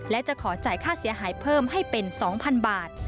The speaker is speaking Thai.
และจะขอจ่ายค่าเสียหายเพิ่มให้เป็น๒๐๐๐บาท